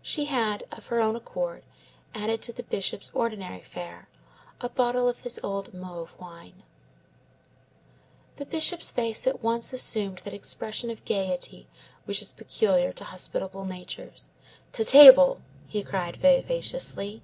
She had, of her own accord, added to the Bishop's ordinary fare a bottle of his old Mauves wine. The Bishop's face at once assumed that expression of gayety which is peculiar to hospitable natures. "To table!" he cried vivaciously.